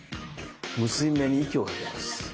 結び目に息をかけます。